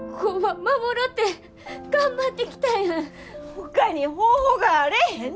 ほかに方法があれへんねん！